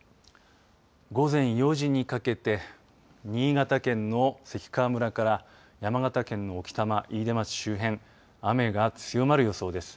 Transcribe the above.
午前４時にかけて新潟県の関川村から山形県の置賜、飯豊町周辺雨が強まる予想です。